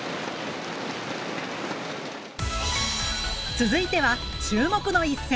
続いては注目の一戦。